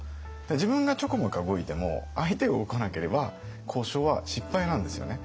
自分がちょこまか動いても相手が動かなければ交渉は失敗なんですよね。